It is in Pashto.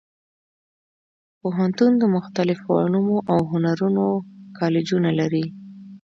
پوهنتون د مختلفو علومو او هنرونو کالجونه لري.